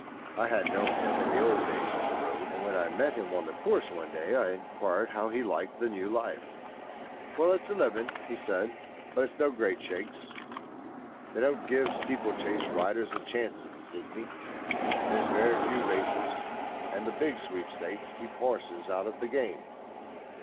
I had known him in the old days on the road, and when I met him on the course one day I enquired how he liked the new life. "Well, it's a livin'," he said, "but it's no great shakes. They don't give steeplechase riders a chance in Sydney. There's very few races, and the big sweepstakes keep horses out of the game."